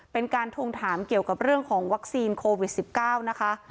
เป็นการทวงถามเกี่ยวกับเรื่องของวัคซีนโควิด๑๙นะคะ